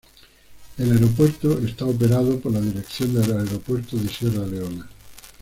El aeropuerto está operado por la Dirección de Aeropuertos de Sierra Leona.